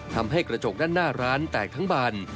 ทำให้กระจกด้านหน้าร้านแตกทั้งบาน